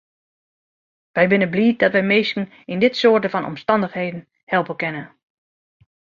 Wy binne bliid dat wy minsken yn dit soarte fan omstannichheden helpe kinne.